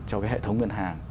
cho cái hệ thống ngân hàng